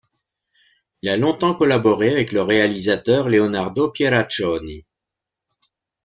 Il a longtemps collaboré avec le réalisateur Leonardo Pieraccioni.